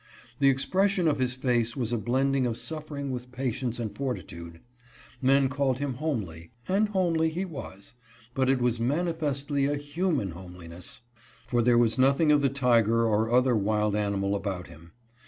The expression of his face was a blending of suffering with patience and fortitude. Men called him homely, and homely he was ; but it was manifestly a human homeliness, for there was nothing of the tiger or other wild animal about him.